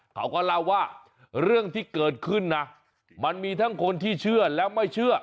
เขาก็เล่าว่าเรื่องที่เกิดขึ้นนะมันมีทั้งคนที่เชื่อและไม่เชื่อ